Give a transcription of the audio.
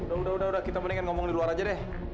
udah udah kita mendingan ngomong di luar aja deh